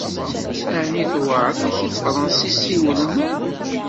Aɛni tewɛeṛ-ak tefransist i welmad?